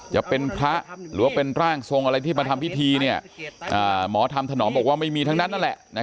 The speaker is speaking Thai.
จะเป็นพระหรือเป็นร่างทรงอะไรที่มาทำพิธีเนี่ยหมอทำถนอมบอกว่าไม่มีทั้งนั้นนั่นแหละนะครับ